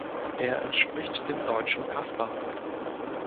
Er entspricht dem deutschen Kasper.